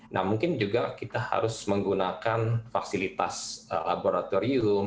nah mungkin juga kita harus menggunakan fasilitas laboratorium